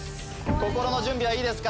心の準備はいいですか？